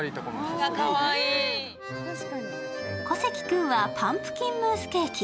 小関君はパンプキンムースケーキ。